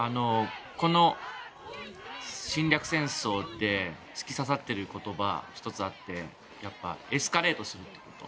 この侵略戦争って突き刺さっている言葉が１つあってエスカレートするってこと。